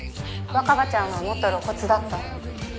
若葉ちゃんはもっと露骨だった。